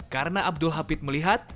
karena abdul hafid melihat